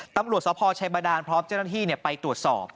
ตำรวจสพชัยบาดานพร้อมเจ้าหน้าที่ไปตรวจสอบ